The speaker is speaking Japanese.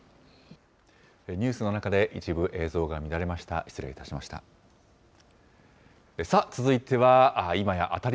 ニュースの中で一部映像が乱れました。